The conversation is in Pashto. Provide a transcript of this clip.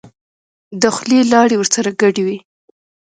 د خولې لاړې ورسره ګډوي.